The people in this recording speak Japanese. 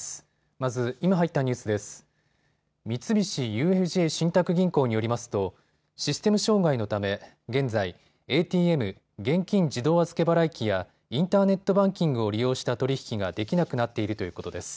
まず今入ったニュースです。三菱ＵＦＪ信託銀行によりますとシステム障害のため現在、ＡＴＭ・現金自動預け払い機やインターネットバンキングを利用した取り引きができなくなっているということです。